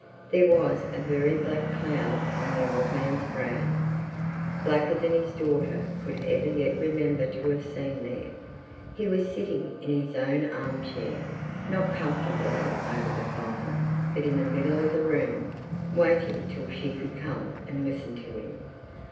There was a very black cloud on the old man's brow; blacker than his daughter could ever remember to have seen there. He was sitting in his own arm chair, not comfortably over the fire, but in the middle of the room, waiting till she should come and listen to him.